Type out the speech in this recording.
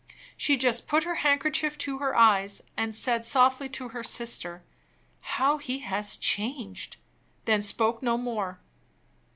She just put her handkerchief to her eyes, and said softly to her sister, "How he is changed!" then spoke no more.